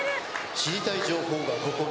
「知りたい情報がここに」。